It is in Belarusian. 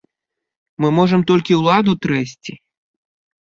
Мы можам толькі ўладу трэсці.